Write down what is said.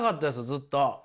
ずっと。